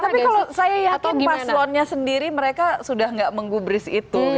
tapi kalau saya yakin paslonnya sendiri mereka sudah enggak menggubris itu gitu